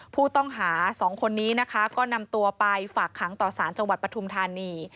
ผู้ต้องหา๒คนนี้นะคะก็นำตัวไปฝากขังต่อสารจังหวัดปฐุมธานี